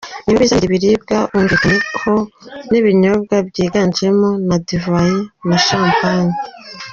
Nibo bizanira ibiribwa bumvikanyeho n’ibinyobwa byiganjemo za divayi na champagne.